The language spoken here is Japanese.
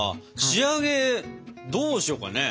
仕上げどうしようかね？